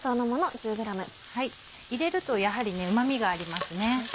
入れるとやはりうま味がありますね。